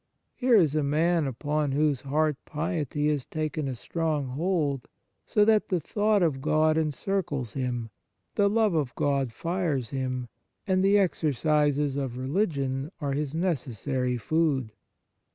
Here is a man upon whose heart piety has taken a strong hold, so that the thought of God encircles him, the love of God fires him, and the exer cises of religion are his necessary food.